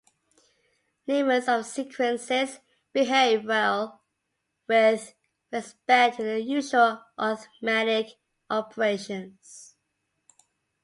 Limits of sequences behave well with respect to the usual arithmetic operations.